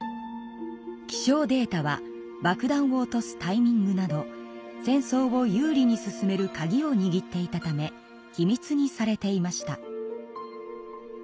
気象データはばくだんを落とすタイミングなど戦争を有利に進めるカギをにぎっていたため秘密にされていました。